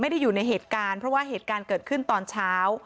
อยู่ในเหตุการณ์เพราะว่าเหตุการณ์เกิดขึ้นตอนเช้า